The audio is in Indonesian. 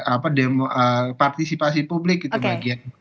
apa partisipasi publik itu bagian